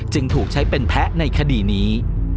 ถูกใช้เป็นแพ้ในคดีนี้